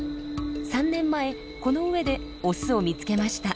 ３年前この上でオスを見つけました。